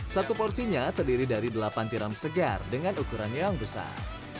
satu porsinya terdiri dari delapan tiram segar dengan ukuran yang besar